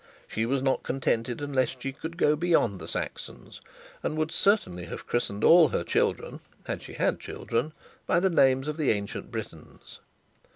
She was not contented unless she could go beyond the Saxons; and would certainly have christened her children, had she had children, by the names of the ancient Britons.